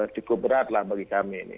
cukup berat lah bagi kami ini